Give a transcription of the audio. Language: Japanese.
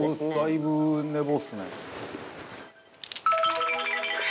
「だいぶ寝坊ですね」